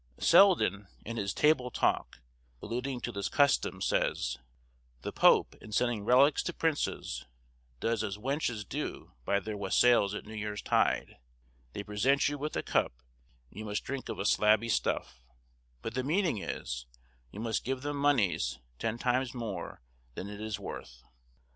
Selden, in his 'Table Talk,' alluding to this custom, says, "The Pope, in sending relics to princes, does as wenches do by their wassails at New Year's tide, they present you with a cup, and you must drink of a slabby stuff; but the meaning is, you must give them moneys ten times more than it is worth."